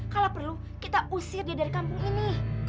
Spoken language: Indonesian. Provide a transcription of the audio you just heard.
kalau perlu kita usir dia dari kampung ini